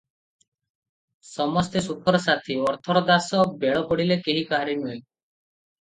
ସମସ୍ତେ ସୁଖର ସାଥୀ, ଅର୍ଥର ଦାସ, ବେଳ ପଡ଼ିଲେ କେହି କାହାରି ନୁହେଁ ।